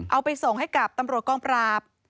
เอาไปส่งให้กับตำรวจกองปราบ